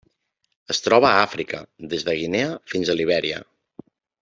Es troba a Àfrica: des de Guinea fins a Libèria.